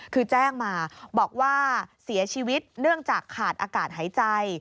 คือแจ้งมาบอกว่าเสียชีวิตเนื่องจากขาดอากาศหายใจ